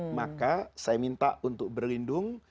maka saya minta untuk berlindung